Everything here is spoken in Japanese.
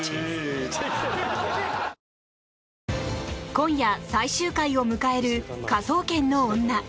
今夜、最終回を迎える「科捜研の女」。